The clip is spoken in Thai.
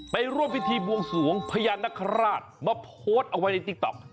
ไปร่วมพิธีบวงสวงพญานคราชมาโพสต์เอาไว้ในติ๊กต๊อก